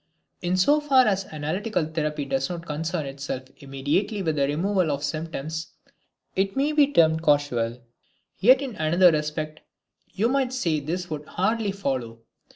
In so far as analytical therapy does not concern itself immediately with the removal of symptoms, it may be termed causal. Yet in another respect, you might say this would hardly follow.